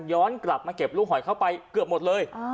ย้อนกลับมาเก็บลูกหอยเข้าไปเกือบหมดเลย